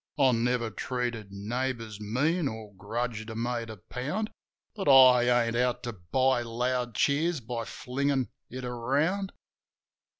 I never treated neighbours mean or grudged a mate a pound; But I ain't out to buy loud cheers by flingin' it around.